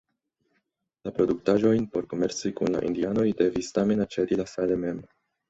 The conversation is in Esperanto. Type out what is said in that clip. La produktaĵojn por komerci kun la Indianoj devis tamen aĉeti La Salle mem.